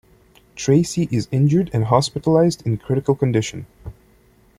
Tracey is injured and hospitalized in critical condition.